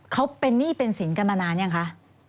เขาเป็นหนี้เป็นสินกันมานานยังคะ